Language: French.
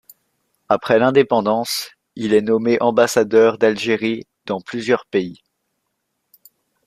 Après l'indépendance, il est nommé ambassadeur d'Algérie dans plusieurs pays.